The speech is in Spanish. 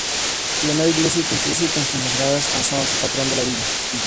La nueva iglesia que construyeron fue consagrada a San Onofre, patrón de la villa.